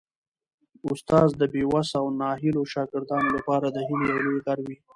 استاد د بې وسه او ناهیلو شاګردانو لپاره د هیلې یو لوی غر وي.